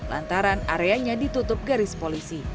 lantaran areanya ditutup garis polisi